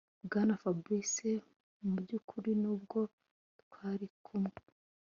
bwana Fabric mubyukuri nubwo twarikumwe